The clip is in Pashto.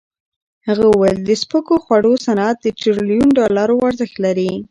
هغه وویل د سپکو خوړو صنعت د ټریلیون ډالرو ارزښت لري.